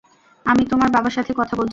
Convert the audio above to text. আমি তোমার বাবার সাথে কথা বলছি।